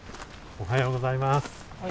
おはようございます。